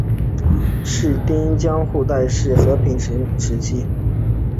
室町时代江户时代昭和时期平成时期